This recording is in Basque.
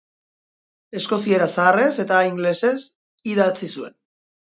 Eskoziera zaharrez eta ingelesez idatzi zuen.